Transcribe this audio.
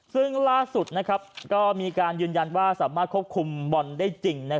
ซึ่งล่าสุดก็มีการยืนยันว่าสามารถควบคุมบอลได้จริง